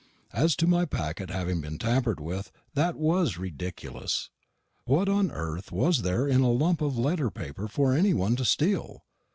As to my packet having been tampered with, that was ridiculous. What on earth was there in a lump of letter paper for any one to steal?